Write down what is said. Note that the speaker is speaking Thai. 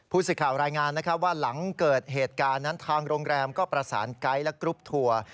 ผู้สื่อข่าวรายงานนะครับว่าหลังเกิดเหตุการณ์นั้นทางโรงแรมก็ประสานไกด์และกรุ๊ปทัวร์